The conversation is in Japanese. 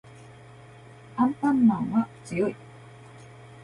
アンパンマンは強い